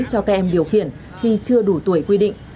cho các em điều khiển khi chưa đủ tuổi quy định